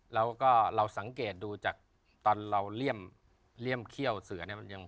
แล้วก็เราสังเกตดูจากตอนเราเลี่ยมเขี้ยวเสือเนี่ย